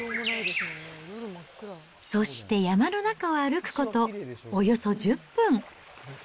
そして山の中を歩くこと、およそ１０分。